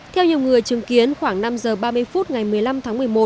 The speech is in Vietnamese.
theo nhiều người chứng kiến khoảng năm giờ ba mươi phút ngày một mươi năm tháng một mươi một